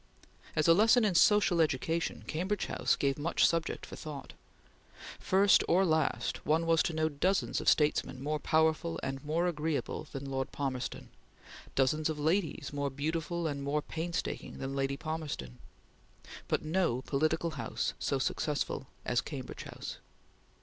As a lesson in social education, Cambridge House gave much subject for thought. First or last, one was to know dozens of statesmen more powerful and more agreeable than Lord Palmerston; dozens of ladies more beautiful and more painstaking than Lady Palmerston; but no political house so successful as Cambridge House.